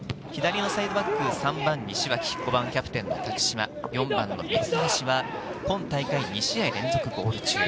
左サイドバック３番・西脇、５番・キャプテン多久島、４番・三橋は今大会２試合連続ゴール中。